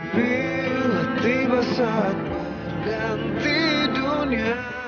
bila tiba saat berganti dunia